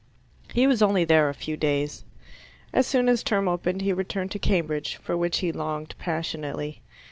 He was only there a few days. As soon as term opened he returned to Cambridge, for which he longed passionately.